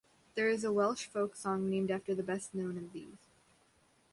There is a Welsh folk song named after the best-known of these.